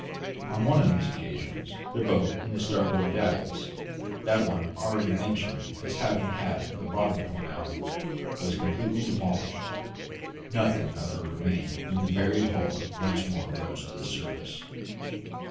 On one of these occasions the boat in the starboard davits that one already mentioned as having had her bottom torn out was completely demolished, nothing of her remaining when the buried hulk once more rose to the surface.